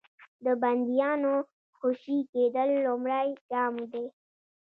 د بندیانو خوشي کېدل لومړی ګام دی.